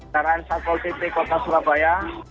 satpol timnik kota surabaya